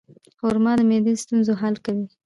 خرما د معدې د ستونزو حل کوي.